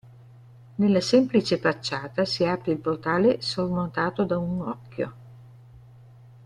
Nella semplice facciata si apre il portale sormontato da un occhio.